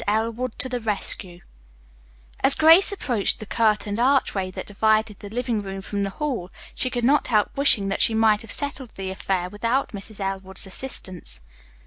ELWOOD TO THE RESCUE As Grace approached the curtained archway that divided the living room from the hall she could not help wishing that she might have settled the affair without Mrs. Elwood's assistance.